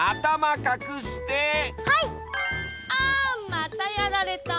あまたやられた。